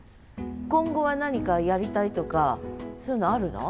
今後は何かやりたいとかそういうのあるの？